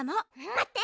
まって！